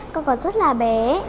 con còn rất là bé